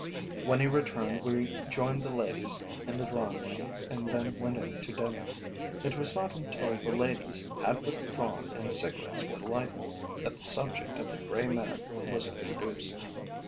When he returned we joined the ladies in the drawing room, and then went in to dinner. It was not until the ladies had withdrawn and cigarettes were lighted, that the subject of the grey man was introduced.